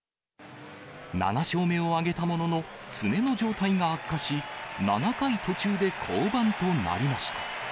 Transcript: ７勝目を挙げたものの、爪の状態が悪化し、７回途中で降板となりました。